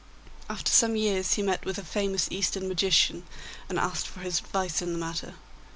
After some years he met with a famous Eastern magician, and asked for his advice in the matter.